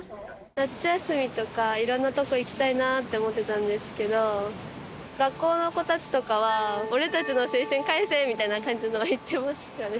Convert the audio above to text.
夏休みとか、いろんなとこ行きたいなって思ってたんですけど、学校の子たちとかは、俺たちの青春返せみたいな感じのこと言ってますよね。